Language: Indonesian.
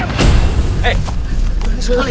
aku agak kurang